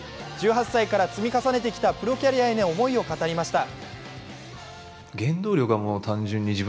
１８歳から積み重ねてきたプロキャリアへの思いを語りました。